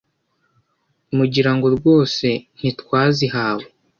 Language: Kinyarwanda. Mugira ngo rwose ntitwazihawe